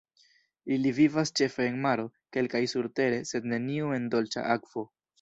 Ili vivas ĉefe en maro, kelkaj surtere, sed neniu en dolĉa akvo.